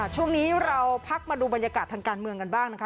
ช่วงนี้เราพักมาดูบรรยากาศทางการเมืองกันบ้างนะคะ